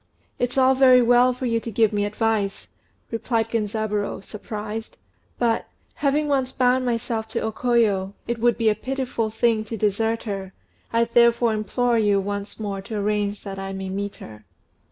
"It's all very well for you to give me advice," answered Genzaburô, surprised; "but, having once bound myself to O Koyo, it would be a pitiful thing to desert her; I therefore implore you once more to arrange that I may meet her."